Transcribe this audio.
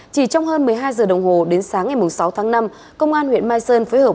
chỉ trong hơn một mươi hai giờ đồng hồ đến sáng ngày sáu tháng năm công an huyện mai sơn phối hợp